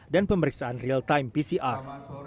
dan pemeriksaan real time pcr